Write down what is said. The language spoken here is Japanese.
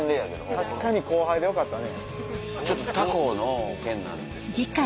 確かに後輩でよかったね。